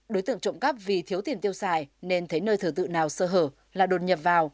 đối tượng trộm cắp vì thiếu tiền tiêu xài nên thấy nơi thờ tự nào sơ hở là đột nhập vào